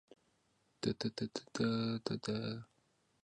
这个漏洞由于触发条件简单而备受关注。